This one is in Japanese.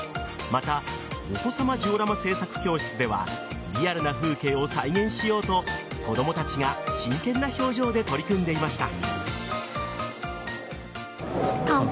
またお子様ジオラマ製作教室ではリアルな風景を再現しようと子供たちが真剣な表情で取り組んでいました。